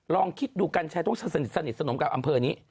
ลองคิดดูกัญชัยต้องสนิทสนมกับอำเภอนี้